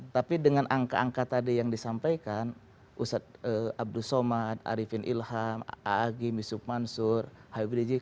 tapi dengan angka angka tadi yang disampaikan ustaz abdul somad arifin ilham agim yusuf mansyur habib rizik